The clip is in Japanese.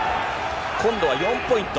今度は４ポイント。